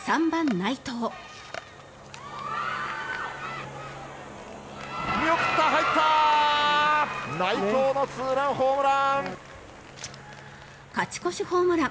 内藤のツーランホームラン！